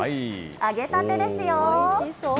揚げたてですよ。